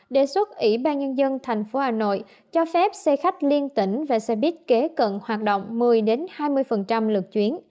đề xuất ủy ban nhân dân thành phố hà nội cho phép xe khách liên tỉnh và xe buýt kế cận hoạt động một mươi hai mươi lượt chuyến